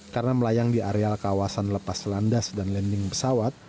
karena melayang di areal kawasan lepas landas dan landing pesawat